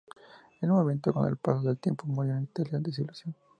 El movimiento, con el paso del tiempo, murió en Italia de desilusión.